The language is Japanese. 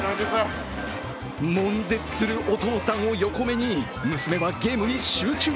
もん絶するお父さんを横目に、娘はゲームに集中。